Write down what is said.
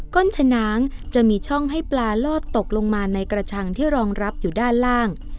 ้นฉนางจะมีช่องให้ปลาลอดตกลงมาในกระชังที่รองรับอยู่ด้านล่าง